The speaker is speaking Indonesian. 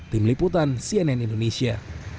tim liputan cnn indonesia